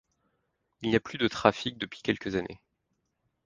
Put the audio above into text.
Il n' y a plus de trafic depuis quelques années.